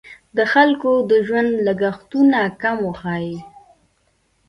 د خلکو د ژوند لګښتونه کم وښیي.